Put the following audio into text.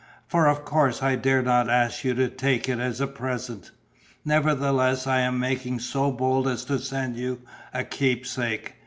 For of course I dare not ask you to take it as a present. Nevertheless I am making so bold as to send you a keepsake.